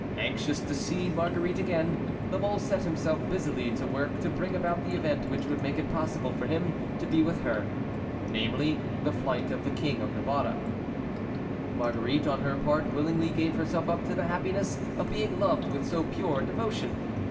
Anxious to see Marguerite again, La Mole set himself busily to work to bring about the event which would make it possible for him to be with her; namely, the flight of the King of Navarre. Marguerite on her part willingly gave herself up to the happiness of being loved with so pure a devotion.